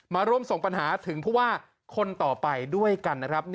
มาร่วมส่งปัญหาถึงผู้ว่าคนต่อไปด้วยกันนะครับ